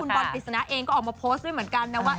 บอลกฤษณะเองก็ออกมาโพสต์ด้วยเหมือนกันนะว่า